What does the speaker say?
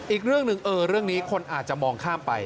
อีกเรื่องหนึ่งเรื่องนี้คนอาจจะมองข้ามไป